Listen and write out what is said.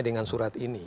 dengan surat ini